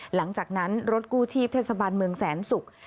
หลังจากนั้นรถกู้ชีพเทศบาลเมืองแสนศุกร์